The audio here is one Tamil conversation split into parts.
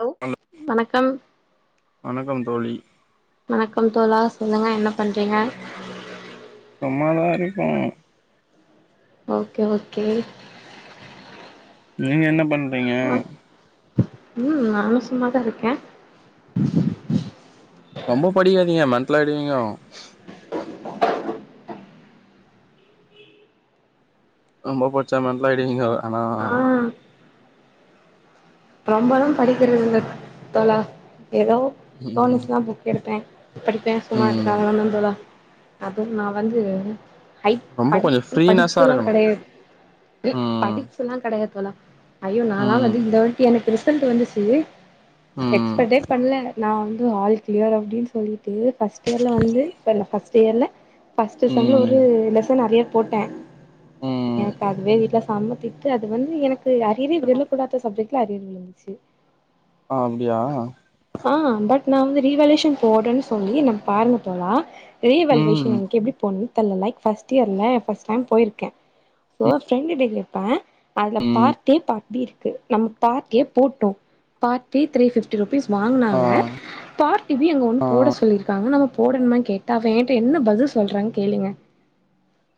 ஹலோ வணக்கம் வணக்கம் தோழி வணக்கம் தோழா சொல்லுங்க என்ன பண்றீங்க சும்மாதா இருக்கோ ஓகே ஓகே நீங்க என்ன பண்றீங்க ஆ ம் நானும் சும்மாதா இருக்கே ரொம்போ படிக்காதீங்க மெண்ட்லாய்டுவீங்கோ ரொம்போ பட்ச்சா மெண்ட்லாயிடுவீங்கோ அதா ஆ ரொம்ப லா படிக்கிறது இல்ல தோழா ஏதோ ம் தோணிச்சுனா புக் எடுப்பே படிப்பே சும்மா ம் இருக்காங்க [unintelligible] தோழா அதுவும் நா வந்து அய் ரொம்ப கொஞ்சோ படிப்பு ஃப்ரீனஸா படிப்ஸ்ல்லா இருக்கணு கடையாது இ ம் படிப்ஸ்ல்லா கடையாது தோழா ஐயோ நான்லா ம் வந்து இந்த வாட்டி எனக்கு ரிசல்ட் வந்துச்சு எக்ஸ்பட்டே பண்ல நான் து ஆல் கிளியர் அப்டின்னு சொல்லிட்டு ஃபர்ஸ்ட் இயர்ல வந்து [unintelligible] ஃபர்ஸ்ட் இயர்ல ஃபர்ஸ்ட் ம் செம்ல ஒரு ம் லெசன் அரியர் போட்டேன் ம் எனக்கு அதுவே வீட்ல ஸ் செமத்திட்டு அது வந்து எனக்கு அரியரே விழுக்கூடாத சப்ஜெக்ட்ல அரியர் விழுந்துச்சு அப்டியா நான் வந்து ரீவேல்யூவேஷன் போடுறேன்னு சொல்லி நம் பாருங்க தோழா ரீவேல்யூவேஷன் ம் எனக்கு எப்டி போட்ணும் த ல்ல லைக் ஃபர்ஸ்ட் இயர்ல ஃபர்ஸ்ட் டைம் போயிருக்கேன் சோ ஃப்ரெண்டுடே கேப்பே அதுல ம் பார்ட் ஏ பார்ட் பி இருக்கு நம்ம பார்ட் ஏ போட்டோம் part A three fifty rupees ஆ வாங்குனாங்க பார்ட்டு பி அங்க ஒன்னு ஆ போட சொல்லிருக்காங்க நம்மோப் போடணுமா கேட்டா அவ ஏண்ட என்ன பதில் சொல்றாங்க கேளுங்க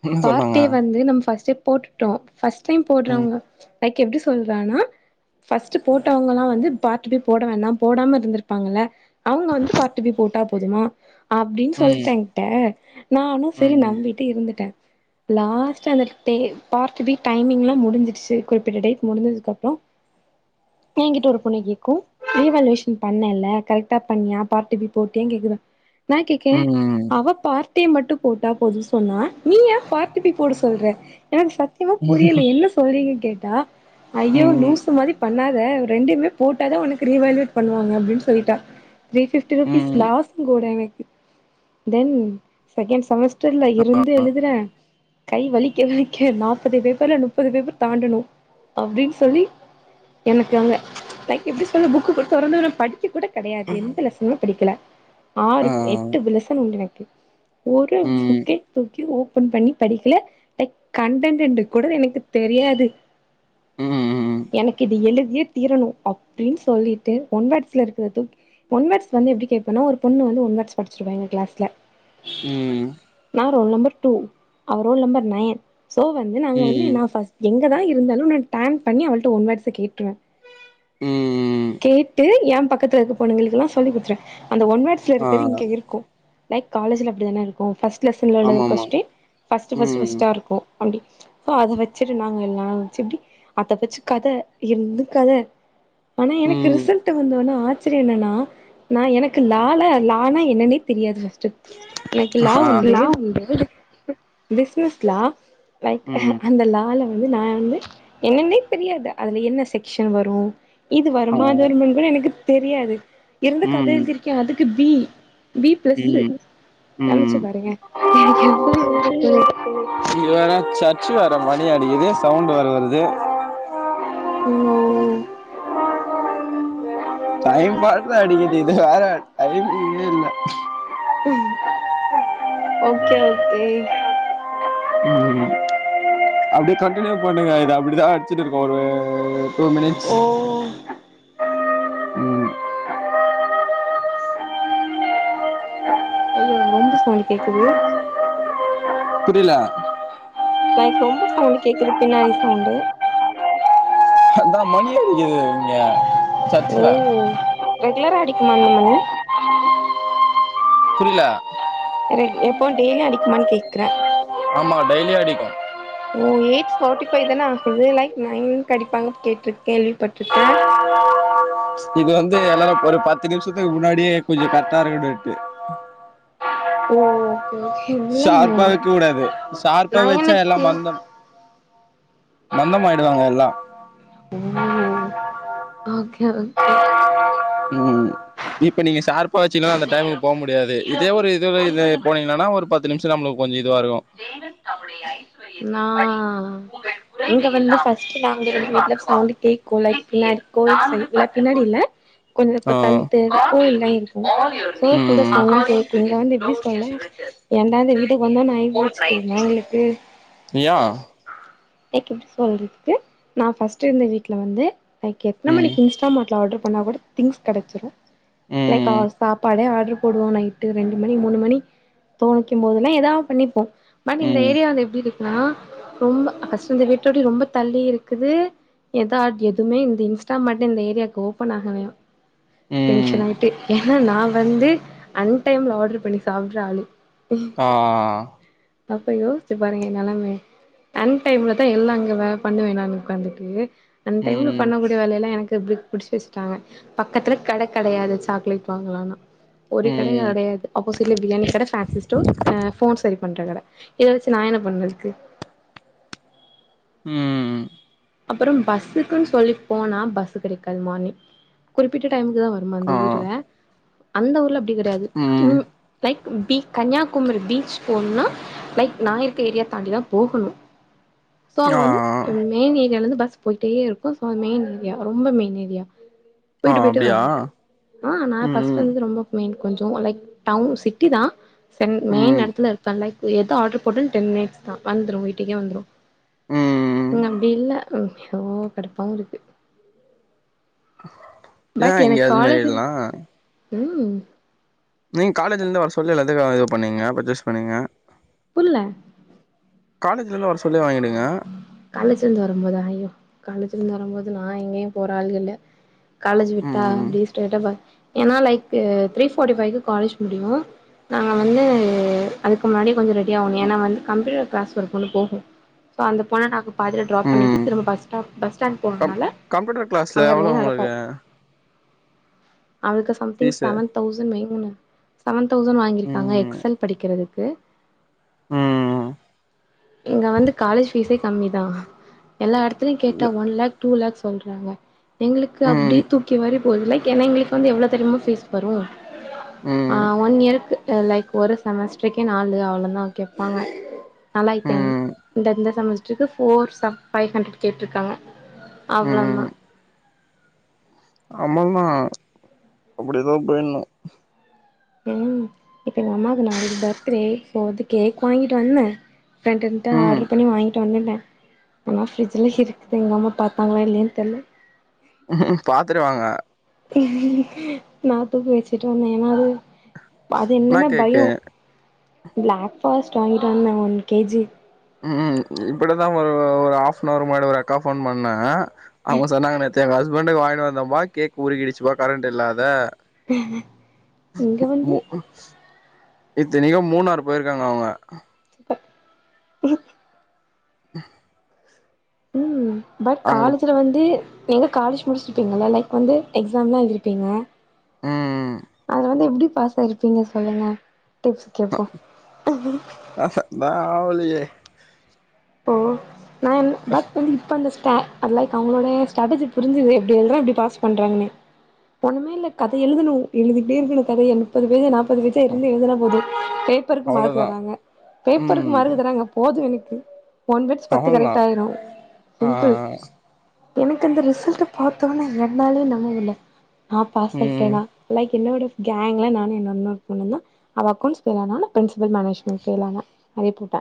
என்ன சொன்னாங்க பார்டே வந்து நம் ஃபர்ஸ்டே போட்டுட்டோ ஃபர்ஸ்ட் டைம் ம் போடுறவங்க லைக்கு எப்டி சொல்றனா ஃபர்ஸ்ட் போட்டவங்கல்லா வந்து பார்ட்பே போ அவுங்க வந்து பார்ட்பே போட்டா போதுமா அப்டின் ம் சொல்லிட்ட என்கிட்ட நானு சரி ம் நம்பிட்டு இருந்துட்ட லாஸ்ட் அந்த டே பார்ட் பீ டைமிங்ல்லா முடிஞ்சிருச்சு குறிப்பிட்ட டேட் முடிஞ்சதுக்கு அப்றோ [inaudible] ஏன்கிட்ட ஒரு பொண்ணை கேக்கு ரீவெல்யேஷன் பண்ணல்ல கரெக்டா பண்ணியா பார்ட் பி போட்டியானு கேக்குதா நா கேக்கேன் ம் அவ பார் டே மட்டு போட்டா போது சொன்னா நீ ஏ பார்ட் பி போட சொல்ற எனக்கு சத்தியமா புரில என்ன சொல்றீங்க கேட்டா ஐயோ ம் லூஸ் பண்ணாத ரெண்டுமே போட்டாதா உனக்கு ரிவேல்யூட் பண்ணுவாங்க அப்டின்னு சொல்லிட்டா த்ரீ ஃபிப்டி ருபீஸ் ம் லாஸ்ங் கூட இவன்க்கு தென் செகன்ட் செமஸ் டர்ல்ல இருந்து எழுதர கை வலிக்க வலிக்க நாப்பது பேப்பர் ல முப்பது பேப்பர் தாண்டணு அப்டின் சொல்லி எனக்கு அங்க லைக் எப்டி சொல்ல புக்குடுத்தவுடன நா படிக்கக் கூட கெடயாது எந்த லெசனு படிக்கல ஆறு ஆ எட்டு லெசன் உண்டு எனக்கு ஒரு ம் புக்கே புக்கயு ஓப்பன் பண்ணி படிக்கல லைக் கண்டன்ட் என்டு கூட எனக்குத் தெரியாது ம் ம் எனக்கு இது எழுதியே தீரணு அப்டின்னு சொல்லிட்டு ஒன் வேர்ட்ஸ்ல இருக்கிறத தூக்கி தூக்கி ஒன் வேர்ட்ஸ் வந்து எப்டி கேப்பனா ஒரு பொண்ணு வந்து ஒன் வேர்ட்ஸ் படிச்சிருவா எங்க கிளாஸ்ல நா ரோல் நம்பர் டூ அவ ரோல் நம்பர் நயன் சோ வந்து நாங்க வந்து ம் நா ஃபஸ் எங்கதா இருந்தாலு நா டேன் பண்ணி அவள்ட்ட ஒன் வேர்ட்ஸ கேட்ருவ ம் ம் கேட்டு எ பக்கத்துல இருக்க பொண்ணுங்களுக்கெல்லா சொல்லி குடுத்துருவ அந்த ஒன் வேர்ட்ஸ்ல இருக்கிறது ஆ இங்க இருக்கு லைக் காலேஜ்ல அப்டிதான இருக்கு ஃபர்ஸ் ட் லெசன்ல உள்ளது ஆமாமா கொஸ்டின் ஃபஸ்ட் ஃபஸ்ட் ம் ஃபஸ்டாருக்கு அப்டி சு எப்டி அத வெச்சு கத இருந்து கத ஆனா எனக்கு ம் ரிசல்ட் வந்த ஒன்ன ஆ ச்சரியோ என்னண்ணா நா எனக்கு லால லானா என்னனே தெரியாது ஃப ஸ்ட் எனக்கு லா ஆ வந்து பிஸ்னஸ் லா லைக் ம் அந்த லால வ ந்து நா வந்து என்னனே தெரியாது அதுல என்ன செக்சன் வரு இது ஆ வருமா ம் அதுவருமான்னு கூட எனக்கு தெரியாது இருந்து கத எழுதிருக்கே அதுக்கு பி பி பிளஸ்ஸு ம் நெனச்சு ம் பாருங்க எனக்கு எவ்ளோ இதா இருக்குனு இங்க வேற சர்ச்சு வேற விளையாடியது சவுண்ட் வேற வருது னோ டைம் பாத்து அடிக்கிது இது வேற டைமிங்கே இல்ல ஓகே ஓகே ம் அப்டியே கண்டினியூ பண்ணுங்க இது அப்டிதா அடிச்சுட்டு இருக்கு ஒரு டூ மினிட்ஸ் ஓ ம் அய்யோ ரொம்ப சவுண்ட் கேக்குது புரில லைக் ரொம்ப சவுண்டு கேக்குது பின்னாடி சவுண்டு இந்தா மணி அடிக்குது இங்க சர்ச்ல கிளரா அடிக்குமா அந்த மணி புரில ரெ எப்போ டெய்லியு அடிக்குமான்னு கேக்குறே ஆமா டெய்லியு அடிக்கு ஓ எயிட் ஃபார்ட்டி ஃபைவ் தானே ஆகுது லைக் நைன்க் அடிப்பாங்க கேட்டிருக் கேள்விப்பட்டுருக்க இங்க வந்து எல்லாரு ஒரு பத்து நிமிஷத்துக்கு முன்னாடியே கொஞ்சோ கரெக்டா இருக்கனுட்டு ஓ ஓகே ஓகே இல்ல ஷார்ப்பா மேம் வைக்க கூடாது ஷார்ப்பா நைனுக்கு மந்தமாயிடுவாங்க எல்லா ஓ ஓகே ஓகே ம் இப்ப நீங்க சார்ப்பா வச்சீங்னாதா அந்த டைமுக்கு போக முடி டியாது இதே ஒரு இதுல இது போனீங்னானா ஒரு பத்து நிமிஷோ நம்மளுக்கு கொஞ்சோ இதுவா இருக்கு நா இங்க வந்து ஃப்ர்ஸ்ட் நாங்க இருந்து வீட்டுல சவுண்ட் கேக்கு லைக் பின்னா னாடி கோவில் சைட்ல பின்னாடி இல்ல கொஞ்சோ ஆ இப்ப தள்ளித் தெரு கோவில்லா இருக்கு சோ இந்த சவுண்ட்ல்லா கேக்கு இங்க வந்து எப்டி சொல்ல ஏன்டா இந்த வீட்டுக்கு வந்தோன்னு ஆயிப் போச்சு தெரியுமா எங்களுக்கு யா எக் எப்டி சொல்றது நா ஃபஸ்ட் இருந்த வீட்டுல வந்து லைக் எத்தன ம் மணிக்கு இன்ஸ்டாமார்ட்ல ஆர்டர் பண்ணா கூட திங்ஸ் கெடச்சிரு லைக் ம் ஆர் சாப்பாடே ஆட்ரு போடுவோ நைட்டு ரெண்டு மணி மூணு மணி தோணிக்கம்போதெல்லா எதாது பண்ணிப்போ பட் இந்த ம் ஏரியா வந்து எப்டி இருக்குன்னா ரொம்ப ஃப்ர்ஸ்ட் இந்த வீட்டொட்டி ரொம்ப தள்ளி இருக்குது எதா எதுவுமே இந்த இன்ஸ்டாமார்ட் இந்த ஏரியாவுக்கு ஓபன் ஆகலயா டென்ஷன் ம் ஆயிட்டு ஏன்னா நா வந்து அன் டைம்ல ஆர்டர் பண்ணி சாப்புடுற ஆளு ஆ அ அ அப்ப யோசிச்சுப் பாருங்க நெலைமைய அன் டைம்லதா எல்லா அங்க வே பண்ணுவே நானு உக்காந்துட்டு அன் டைம்ல ம் பண்ணக் கூடிய வேலைையெல்லா எனக் எப்டி புடிச்சு வச்சட்டாங்க பக்கத்துல கட கெடையாது சாக்லேட் வாங்கலானா ஒரு கடை ம் கெடையது அப்போசிட்ல பிரியாணி கட பேன்சி ஸ்டோர் ஆ ஃபோன் சரி பண்ற கட இதவெச் ச்சு நா என்ன பண்ணதுக்கு ம் அப்பறோ பஸ்ஸுக்குன்னு சொல்லி போனா பஸு கெடைக்காது மார்னிங் குறிப்பிட்ட டைமுக்குதா வருமா இந்த ஆ ஊர்ல அந்த ஊர்ல அப்டி கெடையாது ம் லைக் பி கன்னியாகுமரி பீச் போணுனா லைக் நா இருக்க ஏரியா தாண்டிதா போகணு சோ அங்க ஆ வந்து மெயின் ஏ ரியால இருந்து பஸ் போயிட்டே இருக்கு சோ அது மெயின் ஏரியா ரொம்ப மெயின் ஏரியா ஆ போயிட்டு போயிட்டு அப்படியா வரணு ஆ நா ம் ஃப்ர்ஸ்ட் வந்து ரொம்ப மெயின் கொஞ்சோ லைக் டவுன் சிட்டி தா சென் மெயின் ம் எடத்துல இருப்பே லைக் எது ஆர்டர் போட்டாலு டென் மினிட்ஸ்தா வந்துரு வீட்டுக்கே வந்துரு ம் இங்க அப்டி இல்ல ஐய்யோ கடுப்பாவுருக்கு ஏ இங்க அது மாரி எல்லா ம் நீங்க காலேஜ்ல இருந்து வர சொல்ல எல்லாத்தையு வ இது பண்ணுங்க பர்ச்சேஸ் பண்ணுங்க புர்ல காலேஜ்ல எல்லா வர சொல்லே வாங்கிடுங்க காலேஜ்லருந்து வரம்போதா ஐயோ காலேஜ்ல இருந்து வரம்போது நா எங்கயு போற ஆள்க இல்ல காலேஜ் விட்டா ம் அப்டி ஸ்ட்ரைட்டா ப ஏன்னா லைக்கு த்ரீ ஃபார்ட்டி ஃபைவ்கு காலேஜ் முடியு நாங்க வந்து அதுக்கு முன்னாடியே கொஞ்சோ ரெடியாகணு ஏனா வந்து கம்ப்யூடர் கிளாஸ் ஒர்க் ஒன்னு போகு சோ அந்தப் பாதில ட்ராப் பண்ணிட்டு ம் திரும்ப பஸ் ஸ்டாப் பஸ் ஸ்டாண்ட் போறதுனால டர் கிளாஸ்ல எவ்வளோ உங்களுக்கு அவளுக்கு சம்திங் ஃபீஸு செவன் தௌசண்ட் மேகுனு செவன் தௌசண்ட் வாங்கியிருக்காங்க ம் எக்ஸ் எல் படிக்கிறது க்கு ம் இங்க வந்து காலேஜ் பீஸே கம்மி தா எல்லா எடத்துலயு இந்த கேட்டா ஒன் லக் டூ லக் சொல்றாங்க எங்குளுக்கு அப்டே ம் தூக்கி வாரி போ [unintelligible] ஏனா எங்குளுக்கு வந்து எவ்ளோ தெரிமா ஃபீஸ் வரு ஆ ம் ஒன் இயர் க்கு லைக் ஒரு செமஸ்ட்ருக்கே நாலு அவ்ளோ தா கேப்பாங்க நாலாயித்து ஐநூ ம் இந்தந்த செமஸ்ட்ருக்கு ஃபோர் சம் ஃபைவ் ஹன்ட்ரட் கேட்ருக்காங்க அவ்ள தா ஆமாம்மா அப்டி தா பேயிட்ணு ம் இப்ப எங்க அம்மாக்கு நாளைக்கு பர்த்டே சோ வந்து கேக் வாங்கிட்டு வந்தே ஃப்ரெண்டென்டா ம் ஆட்ரு பண்ணி வாங்கி வந்துட்டே ஆனா ஃபிரிஜ்ல இருக்குது எங்க அம்மா பாத்தாங்ளா இல்லயான் தெர்ல பாத்துரு வாங்க நா [unintelligible] வச்சுட்டு வந்தே ஏனா அது அது என்னா என்னன்னா பயோ கேக்கு பிளாக் ஃபாரஸ்ட் வாங்கிட்டு வந்தே ஒன் கேஜி ம் இப்டிதா ஒரு ஒரு ஆஃப் னவர் முன்னாடி ஒரு அக்கா ஃபோன் பண்ணாங்க அவங்க சொன்னாங்க நேத் து ஏன் ஹஸ்பண்டுக்கு வாங்கிட்டு வந்தம்பா கேக் உருகிடிச்சுப்பா கரண்ட் இல்லாத இங்க வந்து மு இத்தினிக்கு மூணாறு போயிருக்காங்க அவங்க [inaudible] [inaudible] ம் பட் அங்க காலேஜ்ல வந்து நீங்க காலேஜ் முடிச்சிருப்பீங்கல்ல லைக் வந்து எக்ஸாம்லா எழுதிருப்பீங்க ம் அதுல வந்து எப்டி பாஸ் ஆயிருப்பீங்க சொல்லுங்க டிப்ஸ் கேப்போ யே ஓ நா என் பட் வந்து இப்ப அந்த ஸ் ட லைக் அவங்களோடைய ஸ்டாட்டர்ஜி புரிஞ்சுது எப்டி எழுறா எப்டி பாஸ் பண்றாங்கன்னு ஒன்னுமே இல்ல கத எழுதணு எழுதிட்டே இருக்கணு கத எழு முப்பது பேஜு நாப்பது பேஜா இருந்து எழுதுனா போது பேப்பருக்கு மார்க் அவ்ளோதா தராங்க பேப்பருக்கு ம் மார்க்கு தராங்க போது எனக் ஒன் வெட்ஸ் பத்து அவ்ளோதா கரெக்ட்டாயிரு ஆ சிம்பிள் எனக்கு அந்த ரிசல்ட்ட பாத்தோன்னே என்னாலே நம்ம முல்ல நா பாஸ் ம் ஆயிட்டேனா லைக் என்னோட கேங்ல நா என் இன்னொரு பொண்ணு தா அவ அக்கௌண்ட்ஸ் ஃபெயில் ஆனா நா பென்சிபல் மேனேஜ்மெண்ட் ஃபெயில் ஆன அனிபுட்டே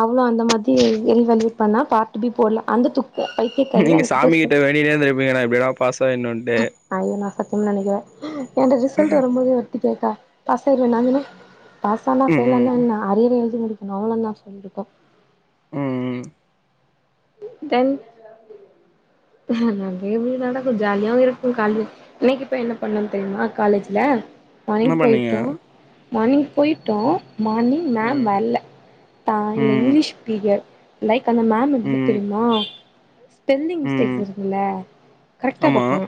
அவளு அந்த மாதி ரீ வேல்யூட் பண்ணா பார்ட் பி போலா அந்த து நீங்க சாமி கிட்ட வேண்டினே இருந்திருப்பீங்க நா எப்டியாடா பாஸ் ஆயிடணுன்ட்டு [unintelligible] [unintelligible] நெனைக்கிறே என்ட ரிசல்ட் வரம்போது ஒருத்தி கேட்டா பாஸ் ஆயிரு நா சொன்னே பாஸானா ம் ஃபெயிலானா ம் என்ன அரியர் எழுதி முடிக்கணு [unintelligible] சொல்லிருக்கோ ம் ம் தென் நெறைய இப்டி நடக்கு ஜாலியாவு இருக்கு காலி இன்னைக்கு போயி என்ன பண்ணன் தெரிமா காலேஜ்ல என்ன மானிங் பண்ணீங்க போயிட்டோ மானிங் போயிட்டோ மார்னிங் மேம் ம் வல்ல த இல்ல ம் இங்கிலீஷ் பீரியட் லைக் அந்த மேம் எப்டி ம் தெரிமா ஸ்பெல்லிங் மிஸ்டேக்ஸ் ம் இருக்குல்ல கரெக்டா ஆமா பாப்பாங்க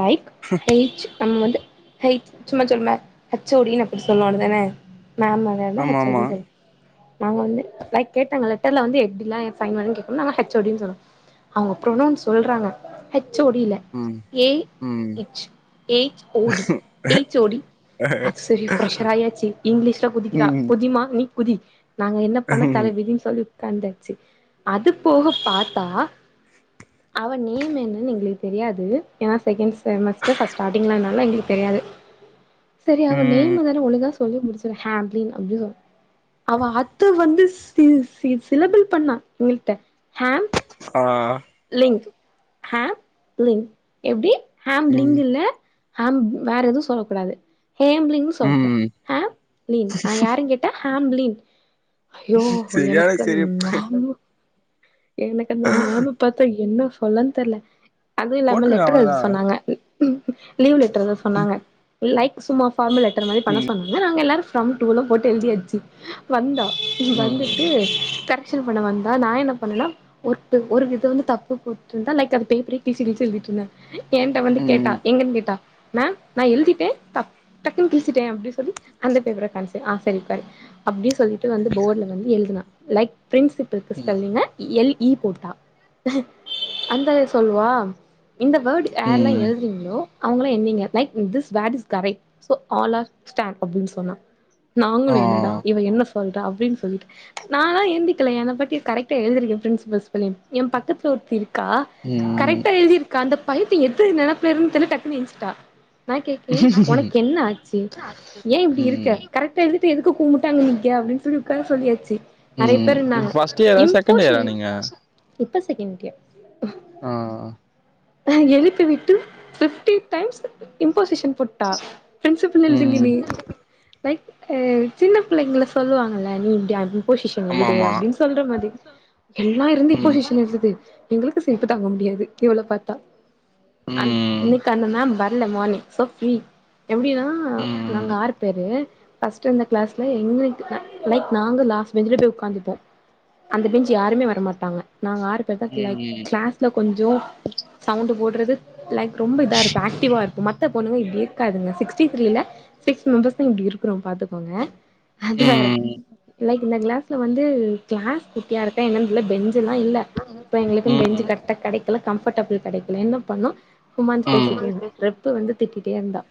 லைக் ஹைச் நம்ம வந்து ஹச் சும்மா [unintelligible] ஹச்சோடி அப்டின் சொல்னு அப்டி தான மேம் அத வந்து ஆமா ஹச்ஓடி ஆமா சொல் நாங்க வந்து லைக் கேட்டாங்க லெட்டர்லந்து எப்டிலா ஃபைன்ட் பண்ணு கே நாங்க ஹேச்சோடின் சொன்னோ அவங்க ப்ரோ நொன் சொல்றாங்க ஹெச் சோடில ம் ஏ இச் எச் ஓடி எச் ஓடி அது சரி ப்ஷர் ஆயாச்சு இங்கிலீஷ்ல குதிக்கிறா ம் குதிமா நீ குதி நாங்க என்ன பண்ண ம் தல விதின் சொல்லி உக்காந்தாச்சு அது போக பாத்தா அவ நேம் என்னன்னு எங்களுக்கு தெரியாது ஏன்னா செக்கேன்ட் செமஸ்டர் ஃப்ப ஸ்டார்டிங்லனால எங்களுக்கு தெரியாது சரி அவன் ம் நேமதான ஒழுங்கா சொல்லி முடிச்சிரு ஹே அப்டின்னு அப்டி சொ அவ அத்த வந்து சி சி சிலபிள் பண்ணா எங்கிள்ட்ட ஹேம் ஆ லிங்க் ஹேம் லிங்க் எப்டி ஹேம் ம் லிங்குல்ல ஹேம் வேற எதுவும் சொல்ல கூடாது ஹேம்லீங் சொல்லக்கூடாது ம் ஹேம்லீன் நா யாருன்னு கேட்டா ஹோம்லீன் ஐயோ சரியான எனக்கு அந் சரி [unintelligible] எனக்கு அந்த மேம பாத்தா என்ன சொலன் தெர்ல அதுவும் இல்லாம போட்ருங்க லெட்டர் எழுத அவ்ளதா சொன்னாங்க ம் ம் ம் லீவ் லெட்டரு தா சொன்னாங்க லைக் சும்மா ஃபார்மல் லெட்டர் மாரி பண்ண ம் சொன்னாங்க நாங்க எல்லோரும் ஃப்ரம் டூலா போட்டு எழுதி யாச்சு வந்தோ இ ம் வந்துட்டு கரெக்ஷன் பண்ண வந்தா நா என்ன பண்ணலாம் ஒர்ட்டு ஒரு விதோ வந்து தப்பு போட்ருந்தா லைக் அது பேப்பரே கிழுச்சி கிழுச்சி எழுதிட்ருந்தே ஏன்ட்ட வந்து கேட்டா ம் எங்கன்னு கேட்டா மேம் நா எழுதிட்டே டக் டக்குன்னு கிழிட்டே அப்புடி சொல்லி அந்த பேப்பர கன்சி ஆ சரி கன் அப்டி சொல்லி ட்டு வந்து போர்ட்ல வந்து எழுதுனா லைக் பிரின்சிபில்க்கு ம் ஸ்பேல்லிங்க எல் ஈ போட்டா அந்த இத் சொல்வா இந்த வேர்டு யார்ல்லா ம் எழுதுறீங்களோ அவங்கள என்னீங்க லைக் ம் this word is correct so ஆர் ஸ்டேண்ட் அப்புன் சொன்னா நாங்களு ஆ என்னடா இவ என்ன சொல்றா அப்புடின்னு சொல்லிட்டு நானா எழுந்திக்கல என் பத்தி கரெக்டா எழுதிரு ய பிரின்சிபல்ஸ் பலீம் என் பக்கத்துல் ஒருத்தி இருக்கா ம் கரெக்டா எழுதிருக்கா அந்தப் பையத்திய எது நெனப்புளயிருன் தெர்ல டக்குன்னு ஏன்சுட்டா நா கேகே உனக்கு என்ன ஆச்சு ஏன் இப்டி ம் இருக்க கரெக்டா இது து எதுக்கு கும்புட்டாங்க இங்க அப்டின்னு சொல்லி உக்கார சொல்லியாச்சு நெறைய ம் பேர் இ இருந்தாங்க ஃபர்ஸ்ட் இயரா இப்போ செகண்ட் ஷி இயரா நீங்க இப்ப செகேண்ட் இயர் ஆ ஆ அ எழுப்பி விட்டு பிஃப்டி டைம்ஸ் இம்போசிஷன் போட்டா ப்ரின்சிப்புல் எழுது இங்க நீ ம் டைப் அ சின்ன பிள்ளைங்கள்ல சொல்லுவாங்கல்ல நீ இப்டி அப் இம்பொசிஷன் ஆமா எழுது ஆமா அப்புடின்னு சொல்ற மாதி எல்லா இருந்து ம் இம்போசிஷன் எழுதுது எங்களுக்கு சிரிப்பு தாங்க முடியாது இவள பாத்தா அன்ட் ம் இன்னைக்கு அந்த மேம் வரல மார்னிங் சோ ஃப்ரீ எப்புடின்னா நாங்க ம் ம் ஆறு பேரு ஃபர்ஸ்ட் இருந்த க்ளாஸ்ல எங்குளுக்கு அ லைக் நாங்க லாஸ்ட் பெஞ்சல போய் உக்காந்துப்போ அந்த பெஞ்ச் யாருமே வர மாட்டாங்க நாங்க ஆறு பேர்தா கிலாய் கிளாஸ்ல கொஞ்சோ சவுண்ட் போட்றது லைக் ரொம்ப இதா இருப்பே ஆக்டிவா இருப்போ மத்த பொண்ணுங்க இப்டியே காதுங்க சிக்ஸ்டி த்ரீல சிக்ஸ் மெம்பர்ஸ் தா இப்டி இருக்குறோம் பாத்துக்கோங்க அது வேற ம் லைக் இந்த கிளாஸ்ல வந்து கிளாஸ் குட்டியா இருக்கா என்னன்ன உள்ள பெஞ் சுல்லா இல்ல இப்ப எங்களுக்கு பென்ஞ்சு ம் கர்டா கடைக்குல கம்பர்டபிள் கடைக்கில என்ன பண்ணோ உமன்ஸ் ம் ம் பேசிட்டேணும் ரெப்பு வந்து திட்டிட் ஏந்தா